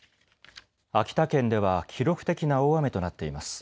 秋田県では記録的な大雨となっています。